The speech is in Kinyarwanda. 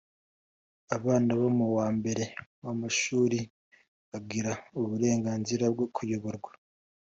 Abana bo mu wa mbere w’amashuri bagira uburenganzira bwo kuyoborwa